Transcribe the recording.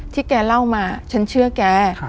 แกเล่ามาฉันเชื่อแก